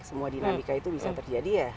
semua dinamika itu bisa terjadi ya